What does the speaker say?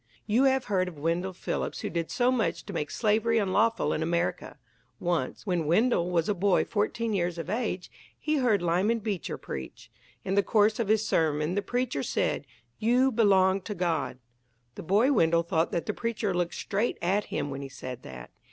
You have heard of Wendell Phillips who did so much to make slavery unlawful in America! Once, when Wendell was a boy fourteen years of age, he heard Lyman Beecher preach. In the course of his sermon the preacher said, "You belong to God." The boy Wendell thought that the preacher looked straight at him when he said that.